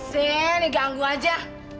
siapa sih ini ganggu aja